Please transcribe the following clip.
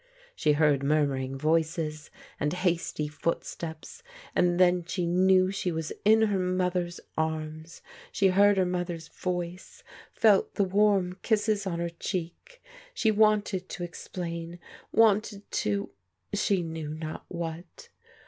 She heard murmuring voices and hasty footsteps, and then she knew she was in her mother's arms. She heard her mother's voice, felt the warm kisses on her cheek. She wanted to explain, wanted to — she knew not what.